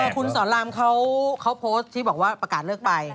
คุณสอนรามเขาโพสต์ที่บอกว่าประกาศเลิกไป